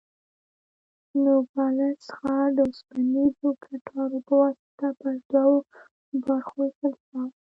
نوګالس ښار د اوسپنیزو کټارو په واسطه پر دوو برخو وېشل شوی.